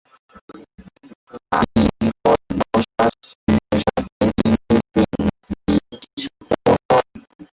বাণী পরে যশ রাজ ফিল্মসের সঙ্গে তিনটি ফিল্ম ডিল স্বাক্ষর করেন।